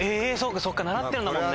そうか習ってんだもんね。